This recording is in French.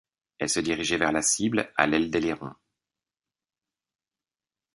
Elle se dirigeait vers la cible à l'aide d'ailerons.